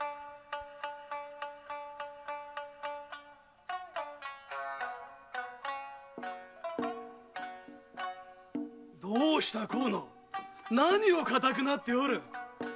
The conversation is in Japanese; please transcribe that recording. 〔どうした河野？何を硬くなっておる？〕